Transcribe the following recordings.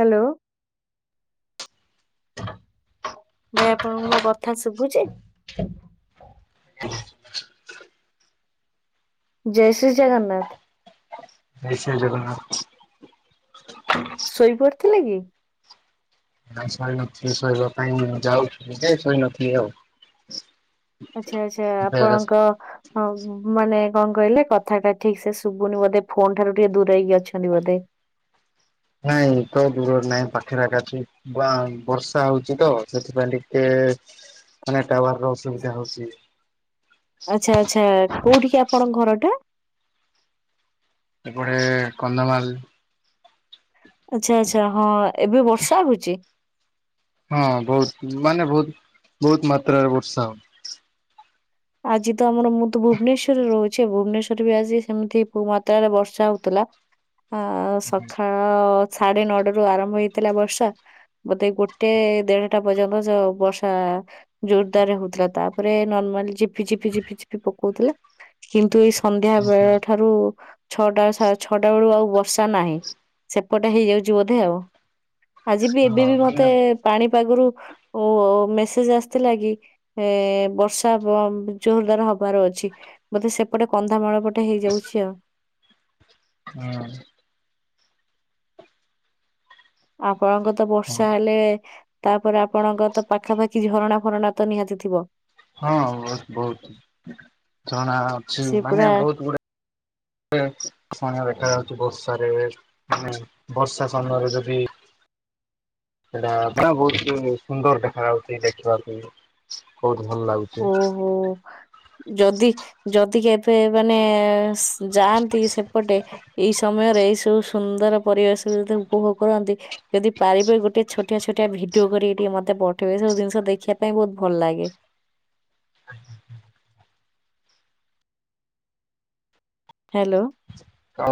Hello! ଭାଇ ଆପଣଙ୍କୁ ମୋ କଥା ଶୁଭୁଛି? [unintelligible] ଜୟ ଶ୍ରୀ ଜଗନ୍ନାଥ। ଜୟ ଶ୍ରୀ ଜଗନ୍ନାଥ। ଶୋଇ ପଡିଥିଲେ କି? ନା ଶୋଇ ନଥିଲି, ଶୋଇବା ପାଇଁ ଯାଉଥିଲି ଯେ- ଶୋଇ ନଥିଲି ଆଉ। ଆଛା ଆଛା, ଏବେ ଆପଣଙ୍କ- ହଁ, ମାନେ କଣ କହିଲେ -କଥାଟା ଠିକ ସେ ଶୁଭୁନି, ବୋଧେ ଫୋନ ଠାରୁ ଟିକେ ଦୂରେଇକି ଅଛନ୍ତି ବୋଧେ! [inaudible] ନାଇଁ ତ ଦୂରରେ ନାଇଁ, ପାଖପାଖେ ଅଛି ବର୍ଷା ହଉଛି ତ, ସେଥିପାଇଁ ଟିକେ- କେ ମାନେ ଟାୱାର ର ଅସୁବିଧା ହଉଛି। ଆଛା, ଆଛା କୋଉଠି କି ଆପଣଙ୍କ ଘର ଟା? ଏପଟେ କନ୍ଧମାଲ। ଆଛା, ଆଛା, ହଁ ଏବେ ବର୍ଷା ହଉଛି? ହଁ ବହୁତ ମାନେ, ବହୁତ ବହୁତ ମାତ୍ରାରେ ବର୍ଷା ହଉ- ଆଜି ତ, ଆମର ମୁଁ ତ ଭୁବନେଶ୍ଵରରେ ରହୁଛି, ଭୁବନେଶ୍ୱର ବି ଆଜି ସେମିତି ମାତ୍ରାର ବର୍ଷା ହଉଥିଲା। ଆ ସଖାଳ- ସାଢେ ନଅଟା ରୁ ଆରମ୍ଭ ହେଇଥିଲା ବର୍ଷା। ବୋଧେ ଗୋଟେ ଦେଢଟା ପର୍ଯ୍ୟନ୍ତ ଯୋଉ ବର୍ଷା- ଜୋରଦାରରେ ହଉଥିଲା, ତାପରେ ନର୍ମାଲ ଝି- ଝିପି ଝିପି ଝିପି ପକଉଥିଲା କିନ୍ତୁ ସନ୍ଧ୍ୟା ହଁ ବେଳ ଠାରୁ- ଛଅଟା ସା-ଛଅଟା ବେଳୁ ଆଉ ବର୍ଷା ନାହିଁ ସେପଟେ ହେଇଯାଉଛି ବୋଧେ ଆଉ। ଆଜି ବି ଏବେ ବି ମାନେ ମତେ ପାଣି ପାଗରୁ- ଓ ମେସେଜ ଆସିଥିଲା କି -ଏ ବର୍ଷା ବହୁ- ଜୋରଦାର ହବାର ଅଛି, ବୋଧେ ସେପଟେ କନ୍ଧାମାଳ ପଟେ ହେଇଯାଉଛି ଆଉ। ହୁଁ। ଆପଣଙ୍କ ତ ବର୍ଷା ହେଲେ, ତାପରେ ଆପଣଙ୍କ ତ ପାଖାପାଖି- କିଛି ଝରଣା ଫରଣା ତ ନିହାତି ଥିବ। ହଁ ବହୁତ- ବହୁତ ଜଣା ଅଛି, ସେ ମାନେ ପୁରା ବହୁତ ଗୁଡେ- [unintelligible] ଦେଖା- ବର୍ଷାରେ, ମାନେ ବର୍ଷା ସମୟରେ ଯଦି! ସେଟା ମାନେ ବହୁତ ସୁନ୍ଦର ଦେଖା ଯାଉଛି, ଦେଖିବାକୁ ବହୁ- ଭଲ ଲାଗୁଚି। ଓହୋ। ଯଦି, ଯଦି କେଭେ ମାନେ- ଯାଆନ୍ତି ସେପଟେ ଏଇ ସମୟରେ ଏଇ ସବୁ ସୁନ୍ଦର ପରିବେଶ ଯେତେ ଉପଭୋଗ କରନ୍ତି। ଯଦି ପାରିବେ ଗୋଟେ ଛୋଟିଆ ଛୋଟିଆ ଭିଡିଓ କରିକି ଟିକେ ମତେ ପଠେଇବେ ସବୁ ଜିନିଷ ଦେଖିବା ପାଇଁ ବହୁତ ଭଲ ଲାଗେ। ହାଲୋ। ଆ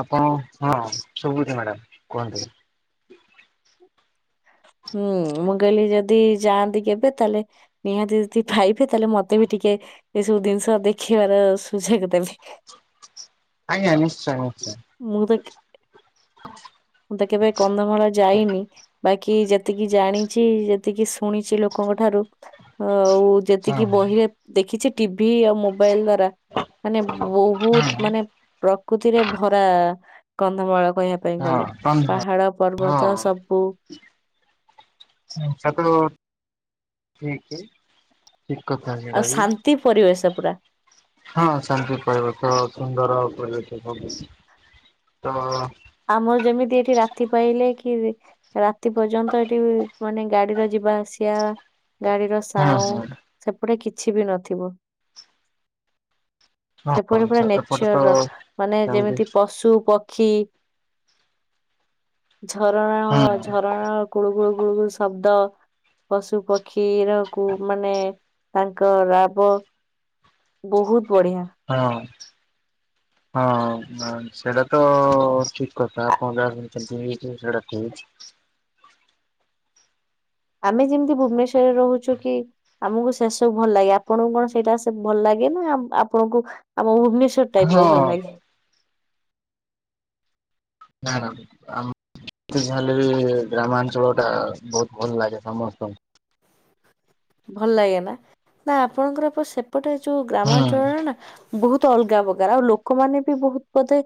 ଆପଣ ହଁ ଶୁଭୁଚି ମ୍ୟାଡାମ କୁହନ୍ତୁ। ହୁଁ ମୁଁ କହିଲି ଯଦି ଯାଆନ୍ତି କେବେ ତାହେଲେ ନିହାତି ଯଦି ଫାଇବେ ତାହେଲେ ମତେ ବି ଟିକେ ଟିକେ ଏସବୁ ଜିନିଷ ଦେଖିବାର ସୁଯୋଗ ଦେବେ। ଆଜ୍ଞା ମୁଁ ନିଶ୍ଚୟ ତ ନିଶ୍ଚୟ। ମୁଁ ତ କେବେ କନ୍ଧମାଳ ଯାଇନି। ବାକି ଯେତିକି ଜାଣିଛି ଯେତିକି ଶୁଣିଛି ଲୋକଙ୍କ ଠାରୁ ଆଉ ହଁ ଯେତିକି ବହିରେ ଦେଖିଛି ବି ଆଉ ମୋବାଇଲ ଦ୍ଵାରା ମାନେ ବହୁତ ହଁ ମାନେ ପ୍ର ପ୍ରକୃତିରେ ଭରା କନ୍ଧମାଳ। କହିବା ପାଇଁ ହଁ ଗଲେ ଧନ୍ୟବାଦ। ପାହାଡ, ପର୍ବତ ସବୁ ଆଚ୍ଛା ତ ଠିକ ଠିକ କଥା ଆଉ ସେଟାବି ଶାନ୍ତି ପରିବେଶ ପୁରା ହଁ ଶାନ୍ତି ପାଇବ ସୁନ୍ଦର [unintelligible] ତ ଆମର ଯେମିତି ଏଠି ରାତି ପାଇଲେ କି ରାତି ପର୍ଯ୍ୟନ୍ତ ଏଠି ମାନେ ଗାଡିର ଯିବା ଆସିବା ଗାଡିର ହଁ ହଁ ସାଉଣ୍ଡ ଏପଟେ କିଛି ବି ନଥିବ। ହଁ ସେପଟେ ପୁରା ଏପଟେ ତ ନେଚର ର ମାନେ ସେମିତି ଯେମିତି ପଶୁ, ପକ୍ଷୀ ଝରଣା ଓ ହଁ ଝରଣା କୁଳୁ କୁଳୁ କୁଳୁୁ ଶବ୍ଦ ପଶୁ, ପକ୍ଷୀ ର କୁ ମାନେ ତାଙ୍କ ରାବ ବହୁତ ବଢିଆ ହଁ। ହଁ ସେଇଟା ତ ଠିକ କଥା ଆ ଆପଣ ଯାହାକୋହୁଛନ୍ତି ସେଟା ଠିକ ଆମେ ଯେମିତି ଭୁବେନେଶ୍ୱର ରେ ରହୁଛୁ କି? ଆମକୁ ସେ ସବୁ ଭଲ ଲାଗେ ଆପଣଙ୍କୁ କଣ ସେଇଟା ସେ ଭଲ ଲାଗେ ନା ଆପଣଙ୍କୁ ଆମ ଭୁବନେଶ୍ୱର ଟାଇପ ର ଭଲ ହଁ ଲାଗେ? ନା ନା ଆମ ହେଲେ ବି ଗ୍ରାମାଞ୍ଚଳ ଟା ବହୁତ ଭଲ ଲାଗେ ସମସ୍ତଙ୍କୁ। ଭଲ ଲାଗେ ନା ନା ଆପଣଙ୍କର ସେପଟେ ଯୋଉ ହୁଁ ଗ୍ରାମାଞ୍ଚଳରେ ନା ବହୁତ ଅଲଗା ପ୍ରକାର ଆଉ ଲୋକମାନେ ବି ବହୁତ ବୋଧେ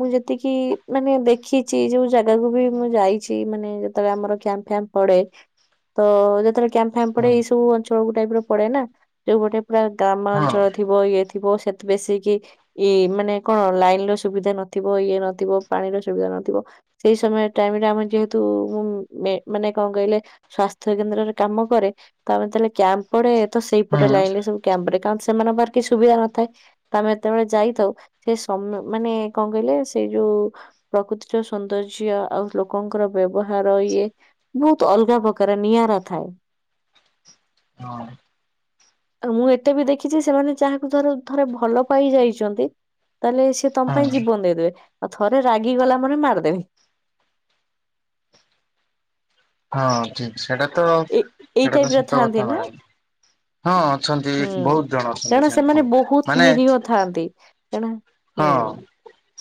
ମୁଁ ଯେତିକି ମାନେ ଦେଖିଛି ଯଉ ଜାଗାକୁ ବି ମୁଁ ଯାଇଛି ମାନେ ଯେତେବେଳେ ଆମର କ୍ୟାଂପ ଫ୍ୟାମ୍ପ ପଡେ ତ ଯେତେବେଳେ କ୍ୟାମ୍ପ ଫ୍ୟାମ୍ପ ପଡେ ହୁଁ ଏଇ ସ ଯଉ ଟାଇପର ପଡେନା ଯୋଉ ଗଟେ ପୁରା ହଁ ଗ୍ରାମାଅଞ୍ଚଳ ଥିବ ଇଏ ଥିବ ଥିବ ସେତ ବେଶୀ କି ଇ ମାନେ କଣ ଲାଇନ ର ସୁବିଧା ନଥିବ ଇଏ ନଥିବ ପାଣିର ସୁବିଧା ନଥିବ ସେଇ ସମୟ ଟାଇମରେ ଆମ ଯେହେତୁ ମେ ମାନେ କଣ କହିଲେ ସ୍ୱାସ୍ଥ୍ୟ କେନ୍ଦ୍ରରେ କାମ କରେ ତ ଆମେ ତାହେଲେ କ୍ୟାମ୍ପ ପଡେ ତ ହୁଁ ସେଇପଟେ ଲାଇନରେ ସବୁ କ୍ୟାମ୍ପ ପଡେ କାରଣ ସେ ସେମାନଙ୍କ କି ସୁବିଧା ନଥାଏ ତ ଆମେ ଯେତେବେଳେ ଯାଇଥାଉ ସେ ସମ ମାନେ କଣ କହିଲେ ସେଇ ଯୋଉ ଉ ପ୍ରକୃତିର ସୌନ୍ଦର୍ଯ୍ୟ ଆଉ ଲୋକଙ୍କର ବ୍ୟବହାର ଇଏ ବହୁତ ଅଲଗା ପ କାର ନିଆରା ଥାଏ। ହଁ। ଆଉ ମୁଁ ଏତେ ବି ଦେଖିଛି ସେମାନେ ଯାହାକୁ ଧର ଥରେ ଭଲପାଇ ଯାଇଛନ୍ତି। ତାହେଲେ ସିଏ ତମ ପାଇଁ ହଁ। ଜୀବନ ଦେଇଦେବେ। ଆଉ ଥରେ ରାଗିଗଲା ମାନେ ମାରିଦେବେ। ହଁ ଠିକ ସେଇଟା ତ ଏ ଏଇ ସେଇଟା ଟାଇପ ତ ର ସତ ଥାଆନ୍ତି କଥା ନା ମ୍ୟାଡ଼ାମ। ହଁ ଅଛନ୍ତି ହୁଁ। ବହୁତ ଜଣ ଅଛନ୍ତି କାରଣ ସେମାନେ ସେମିତି ବହୁତ ମାନେ ନିରୀହ ଥାଆନ୍ତି କାରଣ ହୁଁ ହଁ।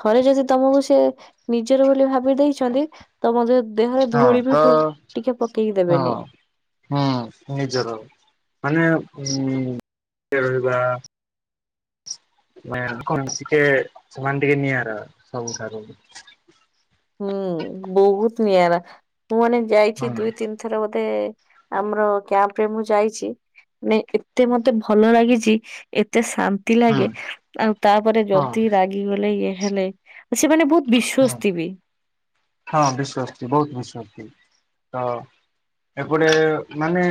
ଥରେ ଯଦି ତମକୁ ସେ ନିଜର ବୋଲି ଭାବି ଦେଇଛନ୍ତି ତମ ଦେହରେ ହଁ ଧୂଳି ବି ତ ଟିକେ ପକେଇକି ଦେବେନି। ହଁ। ହୁଁ ନିଜର ମାନେ ଉ ରହିବା ସିକେ ସେମାନେ ଟିକେ ନିଆରା ସବୁଠାରୁ। ହୁଁ ବହୁତ ନିଆରା ମୁଁ ମାନେ ହୁଁ ଯାଇଛି ଦୁଇ ତିନି ଥର ବୋଧେ। ମତେ ଆମର କ୍ୟାମ୍ପ ରେ ମୁଁ ଯାଇଛି ମାନେ ଏତେ ମତେ ଭଲ ଲାଗିଛି ଏତେ ଶାନ୍ତି ହୁଁ ଲାଗେ ଆଉ ତାପରେ ହଁ ଯଦି ରାଗିଗଲେ ଇଏ ହେଲେ ସେମାନେ ବହୁତ ହଁ ବିଶ୍ଵାସ ଥିବେ। ହଁ ବିଶ୍ଵସ୍ତି ବହୁତ ବିଶ୍ଵସ୍ତି ତ। ଏପଟେ ମାନେ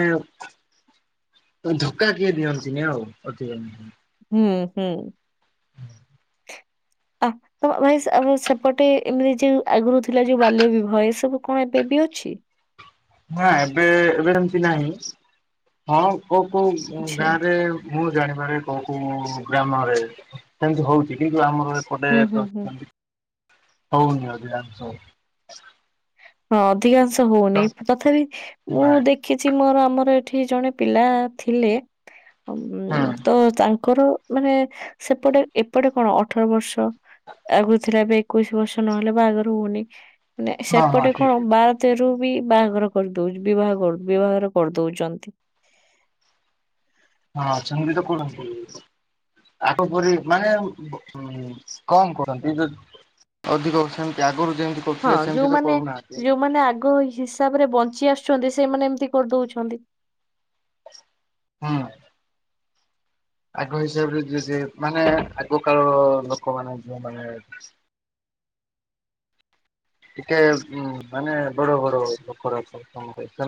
ଧୋକା କିଏ ଦିଅନ୍ତିନି ଆଉ। ହୁଁ ହୁଁ। ଅ ତ ଭାଇ ଆମ ସେପଟେ ଏମିତି ଯୋଉ ଆଗରୁ ଥିଲା ଯୋଉ ବାଲ୍ୟ ବିବାହ ଏ ସବୁ କଣ ଏବେ ବି ଅଛି? ନାଁ ଏବେ ଏବେ ଏମିତି ନାହିଁ ହଁ। କୋଉ କୋଉ ଆଚ୍ଛା ଗାଁରେ ମୁଁ ଜାଣିବାରେ କୋଉ କୋଉ ଗ୍ରାମରେ ସେମିତି ହଉଛି କିନ୍ତୁ ଆମର ଏପଟେ ହୁଁ ହୁଁ ହୁଁ ହଉନି। ହଁ ଅଧିକାଂଶ ତ ହଉନି ତଥାପି ମୁଁ ନାଇଁ ଦେଖିଛି ମୋର ଆମର ଏଠି ଜଣେ ପିଲା ଥିଲେ ହୁଁ ତ ତାଙ୍କର ମାନେ ସେପଟେ ଏପଟେ କଣ ଅଠର ବର୍ଷ ଆଗରୁ ଥିଲା ଏବେ ଏକୋଇଶି ବର୍ଷ ନହେଲେ ବାହାଘର ହଉନି ମାନେ ହଁ ହଁ ସେପଟେ ଠିକ କଣ ବାର ସେ ର ବି ବାହାଘର କରିଦଉ ବିବା ବିବାହଘର କରିଦଉଛନ୍ତି। [inaudible] ହଁ ଚନ୍ଦ୍ରୀ ତ କଲମ୍ପ। ଆଗପରି ମାନେ କମ କରନ୍ତି ଯ ଅଧିକ ସେମତି ଆଗରୁ ଯେମତି ହଁ କରୁଥିଲେ ସେମତି ତ ଯୋଉମାନେ କରୁନାହାନ୍ତି। ଯୋଉମାନେ ଆଗ ହିସାବରେ ବଞ୍ଚି ଆସୁଛନ୍ତି ସେମାନେ ଏମିତି କରିଦଉଛନ୍ତି। ହଁ। ଆଗ ହିସାବରେ ଯି ମାନେ ଆଗ କାଳ ଲୋକମାନୋନେ ଯ ମାନେ। ଟିକେ ଉ ମାନେ ବଡ ବଡ ଲୋକରୋକ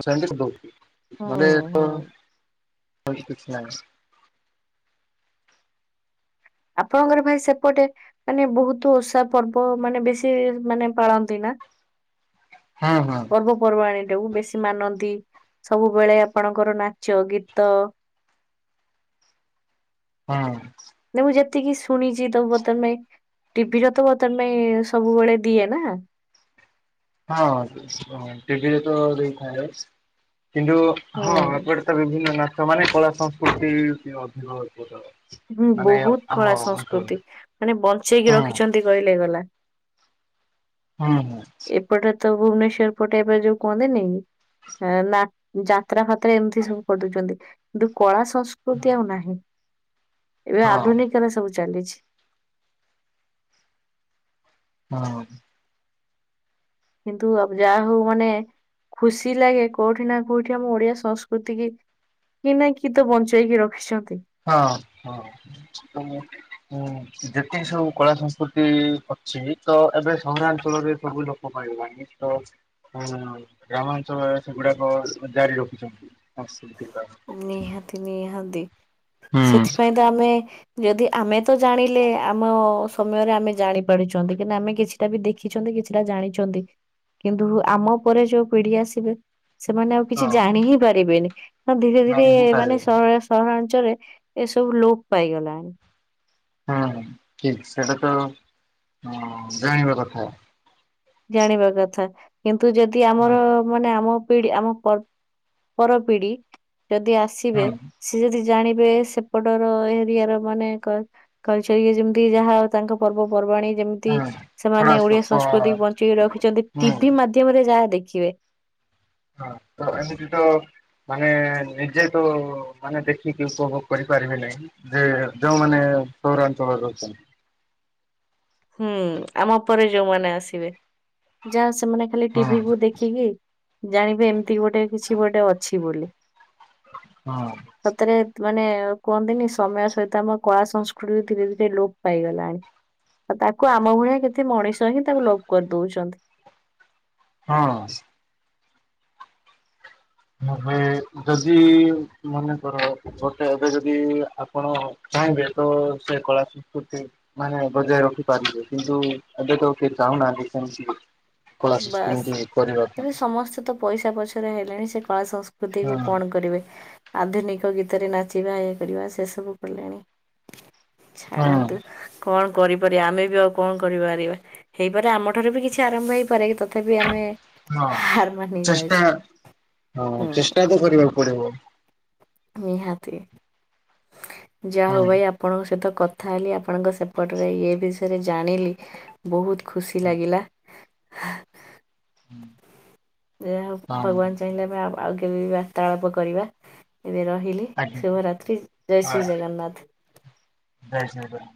ସେମିତି ଦଉଛି। ହୁଁ ମାନେ ଏ ହୁଁ ତ କିଛି ନାହିଁ। ଆପଣଙ୍କର ଭାଇ ସେପଟେ ମାନେ ବହୁତ ଓଷା ପର୍ବ ମାନେ ବେଶୀ ମାନେ ପାଳନ୍ତି ନା? ହଁ ହଁ ପର୍ବପର୍ବାଣି? ବେଶୀ ମାନନ୍ତି ସବୁବେଳେ ଆପଣଙ୍କର ନାଚ ଗୀତ ହଁ। ନ ମୁଁ ଯେତିକି ଶୁଣିଛି ତମ ବର୍ତ୍ତମାନ ଟିଭିିଟ ତ ତମେ ସବୁବେଳେ ଦିଏ ନା ହଁ ଟିଭିରେ ତ ଦେଇଥାଏ। କିନ୍ତୁ ହଁ ହୁଁ। ଏପଟେ ତ ବିଭିନ୍ନ ନାଚ ମାନେ କଳା ସଂସ୍କୃତି ଅଭିନୟ କର। ହୁଁ ବହୁତ କଳା ସଂସ୍କୃତି ମାନେ ବଞ୍ଚେଇକି ହଁ ରଖିଛନ୍ତି କହିଲେ ଗଲା। ହୁଁ ହୁଁ। ଏପଟେ ତ ଭୁବନେଶ୍ଵର ପଟେ ଏବେ ଯୋଉ କୁହନ୍ତିନି ନା ଯାତ୍ରା ଫାତ୍ରା ଏମିତି ସବୁ କରିଦଉଛନ୍ତି କିନ୍ତୁ କଳା ସଂସ୍କୃତି ଆଉ ନାହିଁ। ଏବେ ହଁ ଆଧୁନିକରେ ସବୁ ଚାଲିଛି। ହଁ। କିନ୍ତୁ ଆ ଯାହା ହଉ ମାନେ ଖୁସି ଲାଗେ କୋଉଠି ନା କୋଉଠି ଆମ ଓଡିଆ ସଂସ୍କୃତି କି କି ନା କି ତ ବଞ୍ଚେଇକି ରଖିଛନ୍ତି। ହଁ ହ ହୁଁ। ଯେତିକି ସବୁ କଳା ସଂସ୍କୃତି ଅଛି ତ ଏବେ ସହରାଞ୍ଚଳରେ ସବୁ ଲୋକ ପାଇଁ ତଁ ଗ୍ରାମାଞ୍ଚଳରେ ସେଗୁଡାକ ଜାରି ରଖିଛନ୍ତି। ଗୁଡାକ। ନିହାତି ନିହାତି ହୁଁ। ସେଥିପାଇଁ ତ ଆମେ ଯଦି ଆମେ ତ ଜାଣିଲେ ଆମ ସମୟରେ ଆମେ ଜାଣି ପାରୁଛନ୍ତି କିନା ଆମେ କିଛିଟା ବି ଦେଖିଛନ୍ତି। କିଛିଟା ଜାଣିଛନ୍ତି କିନ୍ତୁ ଆମ ପରେ ଯୋଉ ପିଢି ଆସିବେ। ସେମାନେ ଆଉ କିଛି ହଁ ଜାଣି ହିଁ ପାରିବେନି ଧୀରେ ଧୀରେ ଜାଣି ହିଁ ମାନେ ପାରିବେନି ସହରାଞ୍ଚଳରେ ଏସବୁ ଲୋପ ପାଇଗଲାଣି ହୁଁ ଠିକ ସେଇଟା ତ ଜାଣିବା କଥା ଜାଣିବା କଥା କିନ୍ତୁ ଯଦି ଆମର ହୁଁ ମାନେ ଆମ ପିଢି ଆମ ପର ପିଢି ଯଦି ଆସିବେ ହୁଁ ସେ ଯଦି ଜାଣିବେ ସେପଟର ଏରିଆ ର ମାନେ କଲ୍ଚରଯେମିତି ଯାହା ତାଙ୍କ ପର୍ବପର୍ବାଣ ଯେମିତି ସେମାନେ ହୁଁ ଓଡିଆ ସଂସ୍କୃତି କଳା ବଞ୍ଚି ରଖିଛନ୍ତି ହୁଁ। ଟିଭି ମାଧ୍ୟମରେ ଯାହା ଦେଖିବେ ହଁ ତ ଏମିତି ତ ମାନେ ନିଜେ ତ ମାନେ ଦେଖିକି ଉପଭୋଗ କରି ପାରିବି ନାହିଁ ଯେ ଯୋଉମାନେ ପୌରାଞ୍ଚଳରେ ଅଛନ୍ତି। ହ ହୁଁ ଆମ ପରେ ଯୋଉମାନେ ଆସିବେ ଯାହା ସେମାନେ ଖାଲି ହଁ ଟିଭିକୁୁ ଦେଖିକି ଜାଣିବେ ଏମିତି ଗୋଟେ କିଛି ଗୋଟେ ଅଛି ବୋଲି ହଁ। ସତରେ ମାନେ କୁହନ୍ତିନି ସମୟ ସହିତ ଆମ କଳା ସଂସ୍କୃତି ଧୀରେ ଧୀରେ ଲୋପ ପାଇଗଲାଣି ଆଉ ତାକୁ ଆମ ଭଳିଆ କେତେ ମଣିଷ ହିଁ ତାକୁ ଲୋଭ କରିଦଉଛନ୍ତି। ହଁ। ନହେଲେ ଯଦି ମନେ କର ଗୋଟେ ଏବେ ଯଦି ଆପଣ ଚାହିଁବେ ତ ସେ କଳା ସଂସ୍କୃତି ମାନେ ବଜାୟ ରଖିପାରିବେ କିନ୍ତୁ ଏବେ ତ କିଏ ଚାହୁଁ ହନା ଦେଖଛି ବାସ୍ ଏବେ ସମସ୍ତେ ତ ପଇସା ପଛେ ହେଲେଣି ସେ କଳା ସଂସ୍କୃତି କୁ ହଁ। କଣ କରିବେ? ଆଧୁନିକ ଗୀତରେ ନାଚିବା ଇ କରିବା ସେ ସବୁ ପଡ଼ିଲଣି ହଁ ଛାଡ଼ନ୍ତୁ କଣ କରିପାରିବା ଆମେ ବି ଆଉ କଣ କରିପାରିବା ହେଇପାରେ ଆମ ଠାରୁ ବି କିଛି ଆରମ୍ଭ ହେଇପାରେ କି? ହଁ ଚେଷ୍ଟା ଯାଉଛେ ହଁ ହୁଁ ଚେଷ୍ଟା ତ କରିବାକୁ ପଡିବ। ନିହାତି ଯାହା ହଁ ହଉ ଭାଇ ଆପଣଙ୍କ ସହିତ କଥା କଥା ହେଲି ଆପଣଙ୍କ ସେପଟରେ ଏଇ ବିଷୟରେ ଜାଣିଲି ବହୁତ ଖୁସି ଲାଗିଲା। [inaudible] ହଁ। ଯାହା ହଉ ହଁ ଭଗବାନ ଚାହିଁଲେ ଆମ ଆଉ କେବେ ବାର୍ତ୍ତାଳାପ କରିବା ଏବେ ରହିଲି ଆଜ୍ଞା ଶୁଭରାତ୍ରି ଜୟ ହଁ ଶ୍ରୀ ଜଗନ୍ନାଥ। ଜୟ ସାଇରାମ।